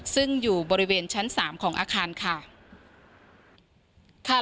ซึ่งอยู่บริเวณชั้น๓ของอาคารค่ะ